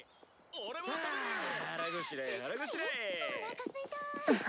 おなかすいた！